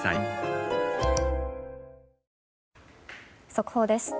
速報です。